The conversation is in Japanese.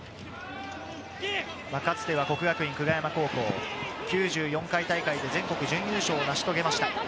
かつては國學院久我山高校、９４回大会、全国準優勝を成し遂げました。